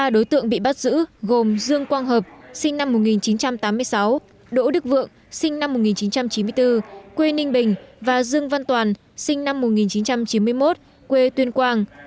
ba đối tượng bị bắt giữ gồm dương quang hợp sinh năm một nghìn chín trăm tám mươi sáu đỗ đức vượng sinh năm một nghìn chín trăm chín mươi bốn quê ninh bình và dương văn toàn sinh năm một nghìn chín trăm chín mươi một quê tuyên quang